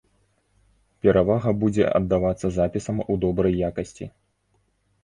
Перавага будзе аддавацца запісам у добрай якасці.